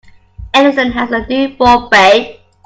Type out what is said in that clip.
Innocent as a new born babe.